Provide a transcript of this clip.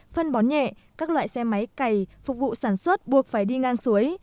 phân bón nhẹ các loại xe máy cày phục vụ sản xuất buộc phải đi ngang suối